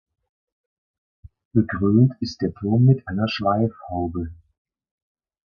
Bekrönt ist der Turm mit einer Schweifhaube.